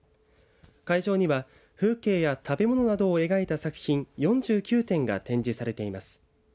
会場には風景や食べ物などを描いた作品４９点が展示されています。